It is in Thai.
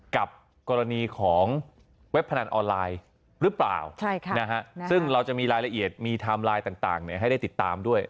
กับกรณีของเว็บพนันออนไลน์หรือเปล่าซึ่งเราจะมีรายละเอียดมีไทม์ไลน์ต่างให้ได้ติดตามด้วย